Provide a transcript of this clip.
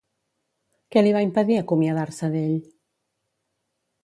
Què li va impedir acomiadar-se d'ell?